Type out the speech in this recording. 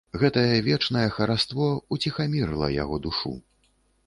Гэтае вечнае хараство ўціхамірыла яго душу.